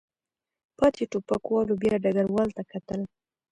پاتې ټوپکوالو بیا ډګروال ته کتل.